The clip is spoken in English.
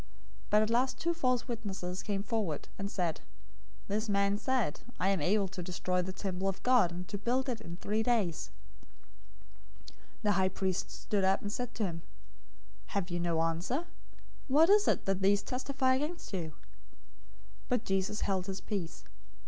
But at last two false witnesses came forward, 026:061 and said, "This man said, 'I am able to destroy the temple of God, and to build it in three days.'" 026:062 The high priest stood up, and said to him, "Have you no answer? What is this that these testify against you?" 026:063 But Jesus held his peace.